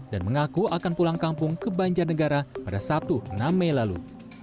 dan mengaku akan pulang kampung ke banjarnegara pada sabtu enam mei lalu